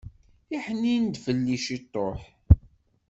Iḥnin-d fell-i ciṭuḥ!